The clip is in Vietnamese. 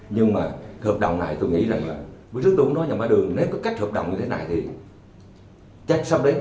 nhưng mà hợp đồng này tôi nghĩ rằng là bữa trước tôi cũng nói nhà máy đường nếu có cách hợp đồng như thế này thì chắc xong đấy